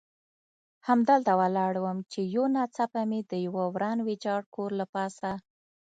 همدلته ولاړ وم، چې یو ناڅاپه مې د یوه وران ویجاړ کور له پاسه.